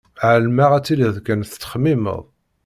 Ԑelmeɣ ad tiliḍ kan tettxemmimeḍ.